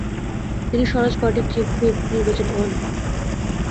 তিনি স্বরাজ পার্টির chief whip নির্বাচিত হয়েছিলেন।